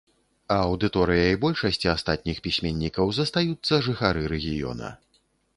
А аўдыторыяй большасці астатніх пісьменнікаў застаюцца жыхары рэгіёна.